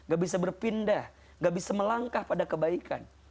gak bisa melangkah pada kebaikan